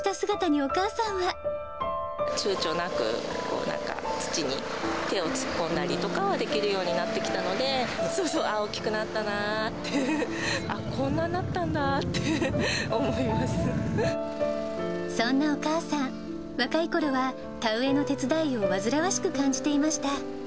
ちゅうちょなく、土に手を突っ込んだりとかはできるようになってきたので、あー、大きくなったなぁっていう、そんなお母さん、若いころは、田植えの手伝いをわずらわしく感じていました。